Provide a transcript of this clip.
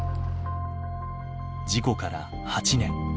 事故から８年。